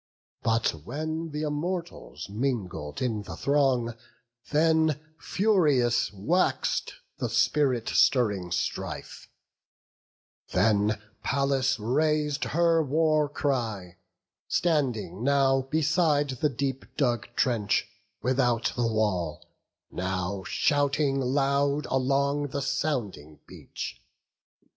But when th' Immortals mingled in the throng, Then furious wax'd the spirit stirring strife; Then Pallas rais'd her war cry, standing now Beside the deep dug trench, without the wall, Now shouting loud along the sounding beach.